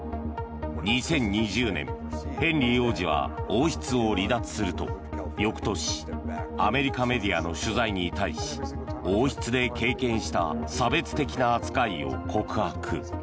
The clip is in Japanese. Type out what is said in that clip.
２０２０年、ヘンリー王子は王室を離脱すると翌年、アメリカメディアの取材に対し王室で経験した差別的な扱いを告白。